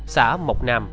xã mộc nam